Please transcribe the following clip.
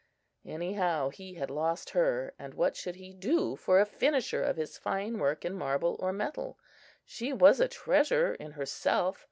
Anyhow he had lost her, and what should he do for a finisher of his fine work in marble, or metal? She was a treasure in herself.